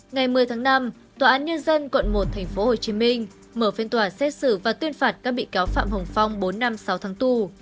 ngày một mươi tháng năm tòa án nhân dân quận một tp hcm mở phiên tòa xét xử và tuyên phạt các bị cáo phạm hồng phong bốn năm sáu tháng tù